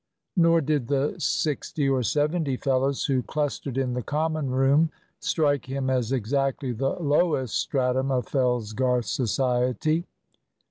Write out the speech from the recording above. Nor did the sixty or seventy fellows who clustered in the common room strike him as exactly the lowest stratum of Fellsgarth society.